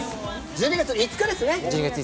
１２月５日ですね。